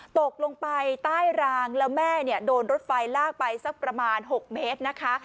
ตกลงไปใต้รางแล้วแม่เนี่ยโดนรถไฟลากไปสักประมาณ๖เมตรนะคะ